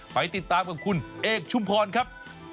ไปติดตามกับคุณเอกชุมพรครับ